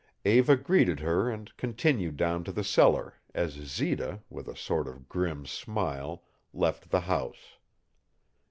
Eva greeted her and continued down to the cellar, as Zita, with a sort of grim smile, left the house.